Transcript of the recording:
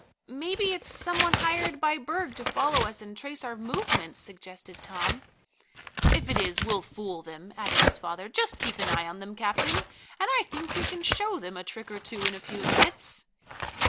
"Maybe it's some one hired by Berg to follow us and trace our movements," suggested Tom. "If it is we'll fool them," added his father. "Just keep an eye on them, captain, and I think we can show them a trick or two in a few minutes."